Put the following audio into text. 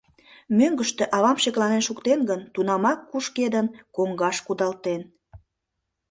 Мӧҥгыштӧ авам шекланен шуктен гын, тунамак кушкедын, коҥгаш кудалтен.